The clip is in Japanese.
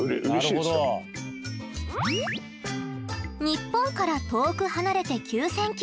ニッポンから遠く離れて９，０００ｋｍ。